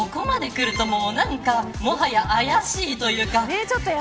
ここまでくるともはや怪しいというか。